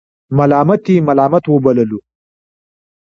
ملامت یې ملامت وبللو.